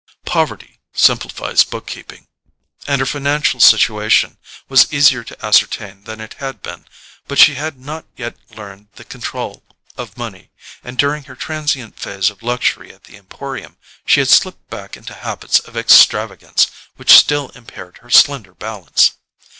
Poverty simplifies book keeping, and her financial situation was easier to ascertain than it had been then; but she had not yet learned the control of money, and during her transient phase of luxury at the Emporium she had slipped back into habits of extravagance which still impaired her slender balance.